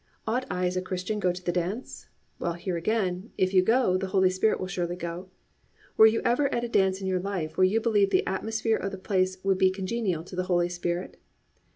Ought I as a Christian go to the dance? Well, here again, if you go, the Holy Spirit will surely go. Were you ever at a dance in your life where you believed the atmosphere of the place would be congenial to the Holy Spirit?